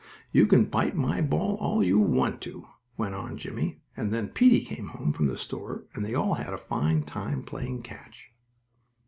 "You can bite my ball all you want to," went on Jimmie, and then Peetie came home from the store, and they all had a fine time playing catch.